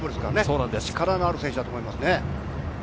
力のある選手だと思いますね。